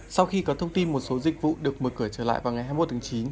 sau khi có thông tin một số dịch vụ được mở cửa trở lại vào ngày hai mươi một tháng chín